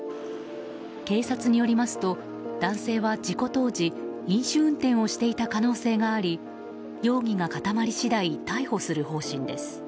警察によりますと男性は事故当時飲酒運転をしていた可能性があり容疑が固まり次第逮捕する方針です。